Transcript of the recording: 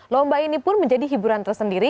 lomba ini pun menjadi hiburan tersendiri